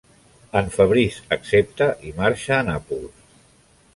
En Fabrice accepta i marxa a Nàpols.